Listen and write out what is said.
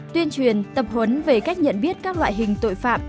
tuyên truyền tập huấn về cách nhận biết các loại hình tội phạm